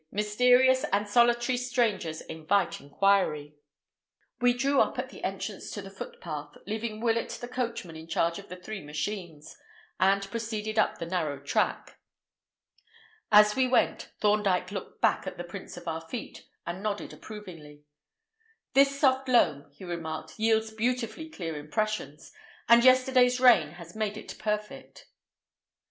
Mysterious and solitary strangers invite inquiry." We drew up at the entrance to the footpath, leaving Willett the coachman in charge of the three machines, and proceeded up the narrow track. As we went, Thorndyke looked back at the prints of our feet, and nodded approvingly. "This soft loam," he remarked, "yields beautifully clear impressions, and yesterday's rain has made it perfect."